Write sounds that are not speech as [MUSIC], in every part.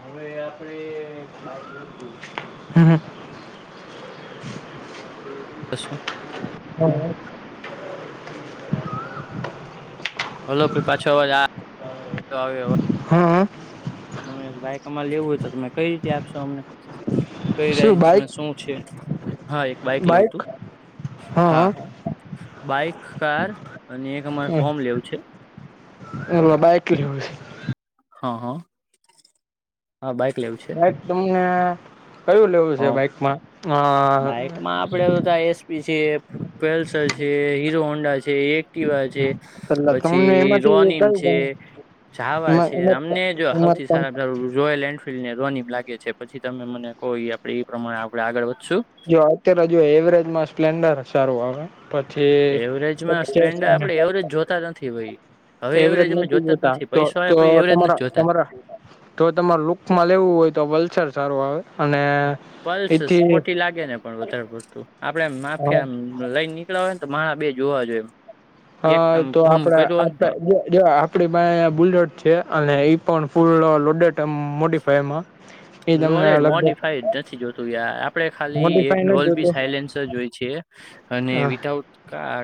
હવે આપણે [UNINTELLIGIBLE] હમ્મ-હમ્મ. [INAUDIBLE] દસો. હા. હલો પહીં પાછો અવાજ આ [UNINTELLIGIBLE] હા. તમે બાઈક અમારે લેવું હોય તો તમે કઈ રીતે આપશો અમને? કઈ શું રેન્જ બાઈક માં, શું છે? હા, એક બાઈક લેવું તું. હા, હા. બાઈક, કાર અને એક અમારે હમ હોમ લેવું છે. [UNINTELLIGIBLE] હા હા. હા બઈક લ બાક તમને કયું લેવું છે હા બાઈકમાં આ બાઈકમાં આપડે બધા એ પ છે પલ્સર છે હીરો હોન્ડા છે એક્ટિવા છે. તમને પછી એમાંથી રોનીમ કયું છે. ગમે ચાવા એમાં છે એમાં અમને જો એમાં હાઉથી પણ સારા રોયલ એ ને રોની લાગે છે પછી તમે મને કોઈ આપે એ પ્રમાણે આડ આગળ વધશું. જો અત્યારે જો એવરેજમાં સ્પ્લેન્ડર સારું આવે. એવરેજમાં પછી. સ્પ્લેન્ડર આપડે એવરેજ જોતા નથી ભાઈ હવે એવરેજ અમે નથી જ જોતા તો પૈસો તો આવે પછી એવરેજ નથી તમારા જોતા તમારા જો તમારે લુકમાં લેવું હોય તો વલ્સાર સારું આવે અને પલ્સ એથી સ્પોટી લાગે ને પણ વધારે પડતું આપડે માફિયા લઈ નીકળવા હોય ને તો માણા બે જોવા જોઈએ. એક હા આમ તો ભમ કર્યો હોય ને તો આપણા આપ બલેટ છે અને એ પણ ફૂલડે મોડીફાયમાં લોરેડ મોડિફાઈડ નથી જોતું યાર આપડે ખાલી એક મોડીફાઈ નથી ડોલ બી જોતું સાયલેન્સર જોઈ છે. અને હા વિધાઉટ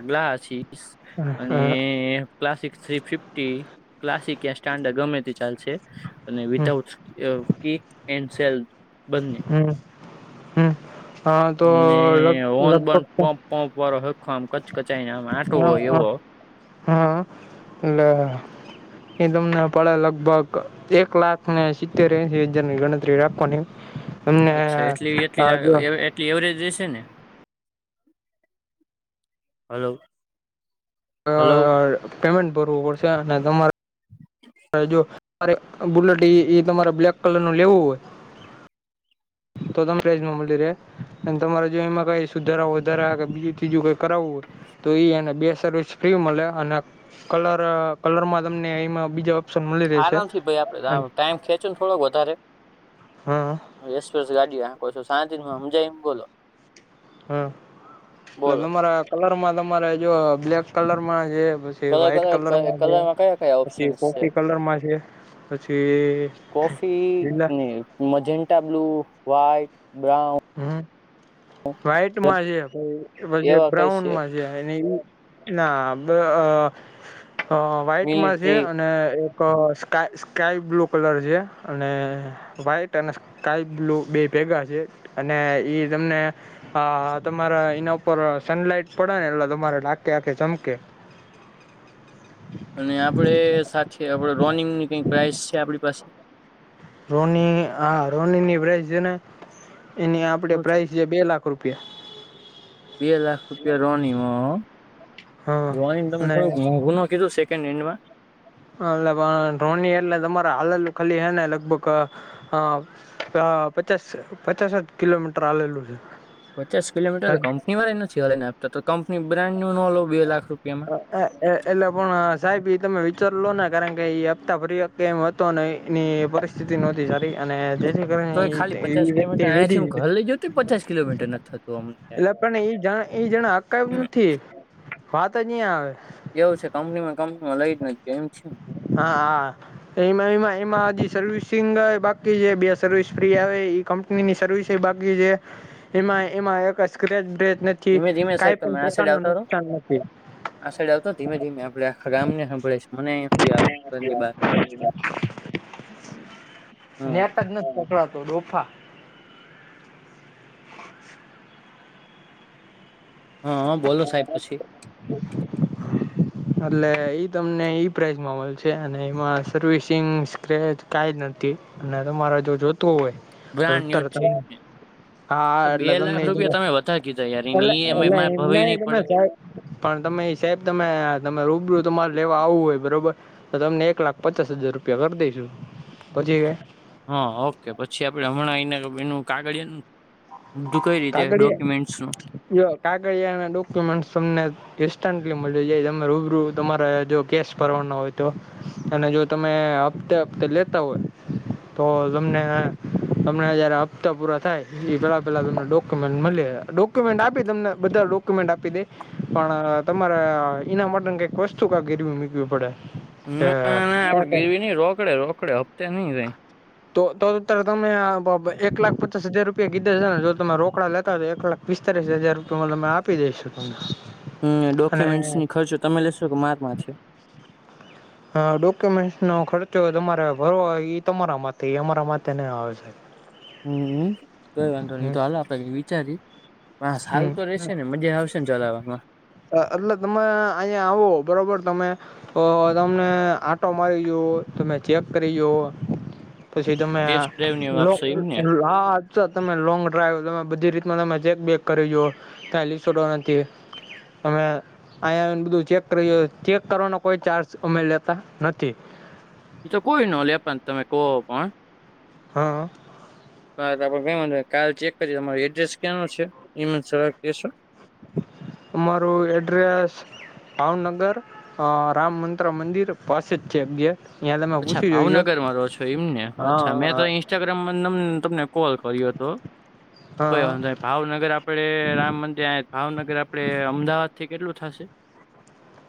ગ્લાસીસ હા અને હા, ક્લાસિક થ્રી ફિફ્ટી ક્લાસિક ત સ્ટાન્ડર્ડ ગમે તે ચાલશે અને hmm without a kick and cell. બંને હમ્મ હમ્મ હ તો લગ લગભગ પોપ વાળો હખો આમ કચ કચાઈ ના આમ આટો હો હા હા એવો હા એટલે એ તમને પડે લગભગ એક લાખ ને સિત્તેર એશ હજાર ની ગણતરી આપવાની અમને અચ્છા એટલી હ એટલી લાગે જો એવ- એવરેજ જે છે ને. [INAUDIBLE] અ હલો પેમેન્ટ ભરવું પડશે અને તમારે જો તરે બુલેટ એ તમારે બ્લેક કલર નું લેવું હોય. તોધપ્રજ મમડી રે અને તમારે જો એમાં કઈ સુધારા વધારા કે બીજું ત્રીજું કઈ કરાવવું હોય. તો એને બે સર્વિસ ફ્રી મળે અને કલર કલરમાં તમને એમાં બીજા ઓપ્શન મળી રહેશે આરામથી ભાઈ આપડે ટાઈમ ખેંચું ને થોડોક વધારે હમ્મ. એક્સપ્રેસ ગાડી આ ક છ શાંતિ સમજાયમ બોલો. હ એટ બોલો તમારા કલરમાં તમારે જો બ્લેક કલરમાં એ પી કલર વ્હાઈટ કલર કલરમાં છે કયા કયા પછી ઓપ્શન્સ છે કોફી કલરમાં છે. પછી એલા. મજન્ટા બ્લુ વ્ઈટ બ્રાઉન હમ્મ વાઈટમાં છે પછી એક એવા કઈ છે બ્રાઉનમાં. [UNINTELLIGIBLE] અ વ્હાઈટમાં છે મિલિટરી અને એક સ્ સ્કાય બ્લુ કલર છે અને વ્હાઈટ અને કાયલું બે ભેગા છે અને ઈ તમને હા તમારા એના ઉપર સનલાઈટ પડે ને એટલે તમારે લાકે આખે ચમકે. અને આપડ સાથે આપડ રોનિંગની કઈક પ્રાઇસ છે આપણી પાસે. રોની હા રોનીની પ્રઇસ છે ને એની આપડે પ્રાઇસ છે બે લાખ રૂપિયા. બે લાખ રૂપિયા રની હો. હા ડ્રોઈંગ તમે અને થડું મોંઘું ન કીધું સેન્ડ હેન્ડમાં. એટ પણ રોની એટલે તમારે હાલલ ખાલી હે ને લગભગ. હ પચાસ પચાસ કિલોમીટર હાલેલું છે. પચાસ કિલોમીટર તો કંપની વાળાય નથી હલાઇ ને આપતા તો કંપની બ્રન્ડનો લઉ બે લાખ રૂપિયામાં. એટલે પણ સાહેબ એ તમે વિચાર લો ને કારણ કે એ હપ્તા ભરી. કેમ હતો એની પરિસ્થિતિ નહોતી સારી અને. તો એ ખાલી પચાસ વ્યક્તિ કિલોમીટર વે અહીંયાથી હું એટલે. ઘર લઈ જતો પચાસ કિલોમીટર નથી થતું અમને યાર પણ એઈ જણ એઈ જણા હકાય નથી. તહીં આવે. એવું છે કંપની માં કંપનીમાં લઈ જ નથી ગયા એમ છે. હા હા. એમાં એમાં એમાં હજી સર્વિસિંગ બાકી જે બે સર્વિસ ફ્રી આવે ઈ કંપની. કંપનીની સર્વિસ એ બાકી છે એમાં એમાં એક સ્ક્રેચ બ્રેચ નથી. ધીમે ધીમે કે સાહેબ કઈ પણ તમે આ સાઈડ પ્રકારનું આવતા રહો નુકસાન નથી. આ સાઇડ આવ તો ધીમે ધીમે આપડે આખા ગામ ને હભળાઈશ છે મનેથી આવે. ઘરની બાર હમ નેટ જ નથી પકડાતો ડોફા. હા બોલો સાહેબ પછી [UNINTELLIGIBLE] અટલે ઈ તમને ઈ પ્રાઈઝમાં મલશે છે અને એમાં સર્વિસિંગ સ્ક્રેચ કાંઈ જ નથી. ને તમારે જો જોતું હોય. બ્રાન્ડ ન્યૂઝ તરત છે એમને હા તો બે એટલે તમને લાખ ઈ રૂપિયા એટ. તમે વધારે કીધા યાર એની ઈએમઆઈ એલા મારે ઇમ ભરવી નઈ નહી પડે એમને. પણ તમે ઈ સાહેબ તમે તમે રૂબરૂું તમારે લેવા આવવું હોય બરોબર. તો તમને એક લાખ પચાસ હજાર રૂપિયા કરી દઈશું પછી. હા ઓકે પછી આપડે હમણાં એઈને એનું કાગળિયાનું. બધું કઈ રીતે કાગડીયા ડોક્યુમેન્ટ્સ નું જો કાગડિયા ને ડોક્યુમેન્ટસ તમને. ઇન્સ્ટન્ટલી મળી જાય તમે રૂબરૂ તમારે જો કેશ ભરવાના હોય તો. અને જો તમે હપ્તે હપ્તે લેતા હોય. તો તમને તમને જયારે હપ્તા પૂરા થાય એ પેલા. પેલા તમને ડોક્યુમેન્ટ મળે ડોક્યુમેન્ટ આપી તમને બધા ડોક્યુમેન્ટ આપી દે. પણ તમારે એના માટેને કંઈક વસ્તુ કાક ગીરવી મૂકવી પડે. ના ના આપડે કે ગીરવી નઈ રોકડે રોકડે હપ્તે નઈ રઈ. તો ત્યારે તમે એક લાખ પચાસ હજાર રૂપિયા કીધા છે ને જો તમે રોકડા લેતા હોય તો એક લાખ. પિસ્તાલીસ હજાર રૂપિયા મા આપી દઈશું તમને. હમ્મ અને ડોક્યુમેન્ટસની ખર્ચો તમે લેશો કે મારા માંથી. હા ડોક્યુમેન્ટસ નો ખર્ચો તમારે ભરવો ઈ તમારા માથે ઈ અમારા માથે નહીં આવે. [UNINTELLIGIBLE] હમ્મ કઈ વાંધો નઈ હમ તો હાલો આપડે કંઈક વિચારી. પણ આ હમ સારું તો રેશે ને મજા આવશે ને ચલાવવામાં. એટલે તમે અહીયાં આવો બરોબર તમે. તો તમને આટો મારી લ્યો તમે ચેક કરી જુવો. પછી તમે. ટેસ્ટ ડ્રાઈવ ને એવું આપશો એમને હા અચ્છા તમે લોંગ ડ્રાઈવ જોવા તમે બધી રીતમાં તમે ચેક બેક. કરી લ્યો કયાંય લીસોટો નથી અમે. અહીંયા આઈ ને બધું ચેક કરી ચેક કરવાનો કોઈ ચાર્જ અમે લેતા નથી. એ તો કોઈ નો લે પણ તમે કહો પણ. હા. હા તો આપડે કઈ વાંધો નઈ કાલ ચેક કરી તમારુ એડ્રેસ કયાનુ છે ઈ મને સવારે કેશો. અમારું એડ્રેસ. ભાવનગર અ રામમંત્ર મંદિર પાસે જ છે બે. અચ્છા ભાવનગર માં રહો છો એમ ને હા અચ્છા હા મેં તો ઈ. હા ઇન્સ્ટાગ્રામમાં નંબર તમને કોલ કર્યો હતો કોઈ હા. વાંધો નઈ. ભાવનગર આપડે રામ મંદિર આયા ભાવનગર આપડે અમદાવાદ થી કેટલું થશે.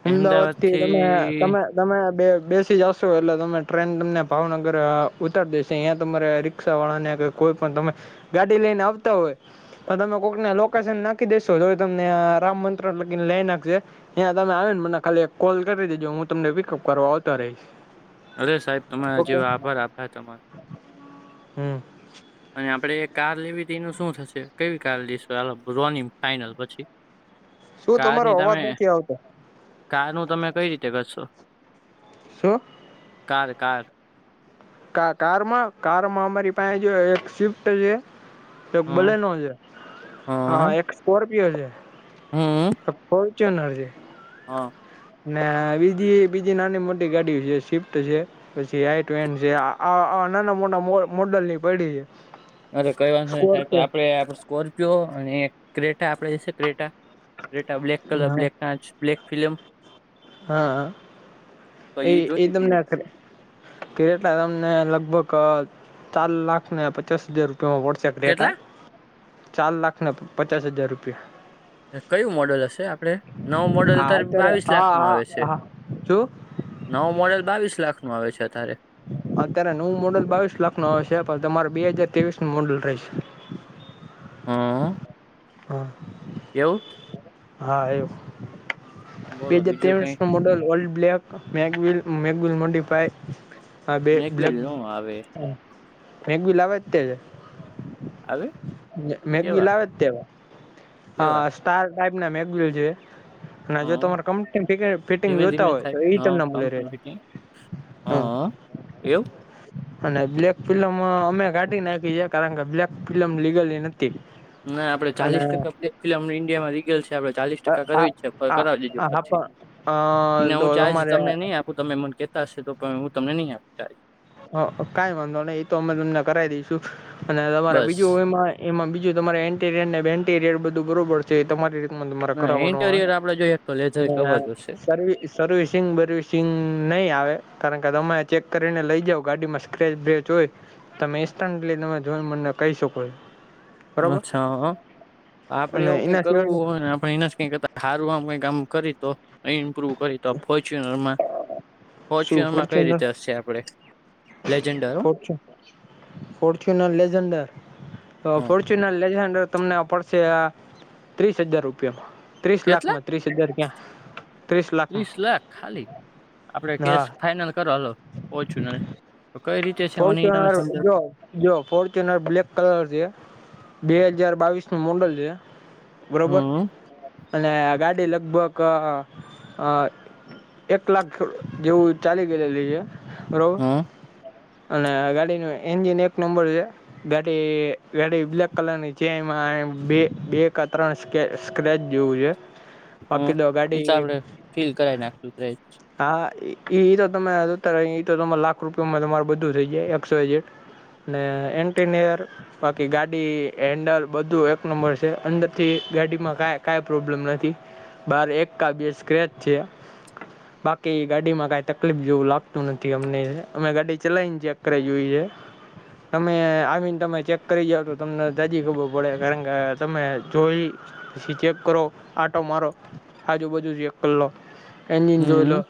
અમદાવાદ થી તમે તમે તમે બે બેસી જશો એટલે તમે ટ્રેન તમને ભાવનગર ઉતારી દેશે અહિંયા તમારે. રિક્ષા વાળા ને કોઈ પણ તમે ગાડી લઈને આવતા હોય. તમે કોક ના લોકેશન નાખી દેેશો જો તમને રામ મંત્ર લગીને લઈ નાખશે. ત્યાં તમે આવે ને મને ખાલી એક કોલ કરી દેજો હું તમને પિકઅપ કરવા આવતો રહીશ. અરે સાહેબ તમારો હજ ઓકે આભાર આપાય તમારો. હમ. અને આપડે એ કાર લેવી તી એનું શું થશે કેવી કાર લઈશું આ કરો ને ફાઈનલ પછી. શું તમારો કારની તમે અવાજ નથી આવતો કારનું તમે કઈ રીતે કરશો. શું? કાર કાર કારમાં કારમાં અમારી પાસે એક સ્વિફ્ટ છે, તો એક હમ બલેનો છે. હા હમ એક સ્કોર્પિયો છે, હમ ફોર્ચ્યુનર છે. હા. ના બીજી બીજી નાની મોટી ગાડી છે શિફ્ટ છે. પછી આઈટેન છે નાના મોટા મોડલ ની પડી છે. અરે કઈવાંધો નહિ સાહેબ સ્કોર્પિયો આપણે સ્કોર્પિયો અને ક્રેટા આપડે છે Creta? Creta black colour black કાચ બ્લેક ફિલમ. હા તો એ એ જોતી હતી તમને આખરે. કે એટલે તમને લગભગ ચાર લાખને પચાસ હજાર રૂપિયામાં પડશે. કેટલા ક્રેટા ચાર લાખ ના પચાસ હજાર રૂપિયા. કયું મોડલ હશે આપડે નવુ મોડલ હા અત્યારે બાવીસ લાખ હા નું આવે છે. હા હા જો નવુ મોડેલ બાવીસ લાખ નો આવે છે અત્યારે. અત્યારે નવું મોડલ બાવીસ લાખ નું આવે છે પણ તમારે બે હાજર ત્રેવીસ નું મોડલ રહેશે. હમ. હા. એવું? હા એ બે બોલો હજર બીજું ત્રેવીસ કઈ ન મોડલ વર્લ્ડ બ્લેક મે મેગલ મોડીફઈ. હા બે્ક મેકવી ન આવે મેક બી લવા જ તે છે. આવે? મેગલ કેવા આવે તેવા કેવા સ્ટાર ટાઈપ ના મેગલ છે. અને હ જો તમારા કંપની ફિટિંગ ધીમે જોતા ધીમે હોય તો એ તમને મળ રહે. હમ એવું? અને બ્લેક ફિલ્લમ અમે કાઢી નાખી છે કારણ કે બ્લેક ફિલ્લમ લીગલી નથી. ના આપડે અને ચાલીસ ટકા ફિલ્મ ઇન્ડિયા માં રીગેલ છે. આપડ ચાલીસ ટકા આ કરવી જ છે આ કરાવી લીજું આ હા પછી, પણ અ એના તો હું ચાર્જ તમારે તમને નહી આપ હું તમે મન કેહેતા હશે તો પણ હું તમને નહી આપ. હ કઈ વાંધો નહી એ તો અમે તમને કરાવી દઈશું, અને તમારે બસ બીજું એમાં એમાં બીજું તમારે એન્ટીરિયર ને બેન્ટીરિયર બધું બરોબર છે તમારીતે અ ના મરાકર વનું ઇન્ટેરિયર આપડે જોઈએ તો લેધર કવર જોશે સર્વી સર્વિસિંગ બર્વિસિંગ નહીં આવે કારણ કે તમે ચેક કરીને લઈ જાવ. ગાડીમાં સ્કચ બ્રેચ હોય, તમે ઇન્સ્ટન્ટલી તમે જો મને કહી શકો છો. અચ્છા, આપડે અને એવું કઈક એના કરવું સિવાય હોયને આપે એના જ કઈકતા સારું આમ કઈ આમ કરી તો ઇમ્પ્રુવ કરી. તો ફોર્ચ્યુનરમાં શું ફોર્ચ્યુનરમાં કઈ ફોર્ચ્યુનર રીતે હશે આપણે લેજન્ડરો? ફર્ચ્યુનર લેઝન્ડર, હ ફોર્ચ્યુનર લેઝન્ડર તમને પડશે આ ત્રીસ હજાર રૂપિયામાં. ત્રીસ કેટલા લાખમાં ત્રીસ હજાર ક્યાં ત્રીસ લાખમાં. લખ ખાલી આપડે કેસ હા ફાઈનલ કરોલો ઓછું ન તો કઈ રીતે છે મને તમે ફોર્ચ્યુનર સમજાવ જો જો ફોર્ચ્યુનર બ્લેક કલર છે બે હજાર બાવીસ નું મોડલ છે બરોબર હમ અને ગાડી લગભગ આ એક લાખ જેવું ચાલી ગયલી છે ર હમ અને ગાડી ન એન્જિન એક નંબર છે ગાડી ગાડી બ્લેક કલર ની છે એમાં બે બે ત્રણ સ્કે સ્ક્રેચ જેવુ છે હમ્મ બાકી એ તો ગાડી આપડે ફીલ કરાઈ નાખશું ક હા એ તો તમે એ તોરે ઈ લાખ રૂપિયામાં તમારું બધું થઈ જાય એકસ યાય ઝેડ ને એન્ટનયર બાકી ગાડી હેન્ડલ બધું એક નંબર છે અંદરથી ગાડીમાં ક કઈ પ્રોબ્લેમ નથી બાર એક કા બે સ્ક્રેચ છે બાકી ગાડીમાં કઈ તકલીફ જેવું લાગતું નથી અમને અમે ગાડી ચલઈને ચેક કરાય છે તમે આવીને તમે ચેક કરી જાવ તો તમને જાજી ખબર પડે કારણ કે તમે જોઈ પછી ચેક કરો આટો મારો આજુબાજુ ચેક કરી લો એજિન જોઈ લો હમ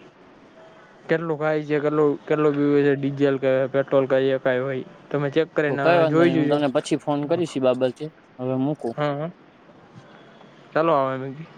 કેટલું ખાય છે કેટલું કેટલું પીવે છે જેલ પેટ્રોલ ક ક હોય તમે ચ તો કરને કઈ વાંધો જોઈ નહી હું જઈ તમને પછી ફોન કરીશ એ બાબતે હવે મૂકું એ હ ચાલ [UNINTELLIGIBLE]